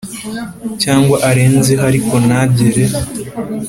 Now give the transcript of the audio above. cyangwa arenzeho ariko ntagere